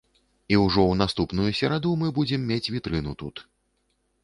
І ўжо ў наступную сераду мы будзем мець вітрыну тут.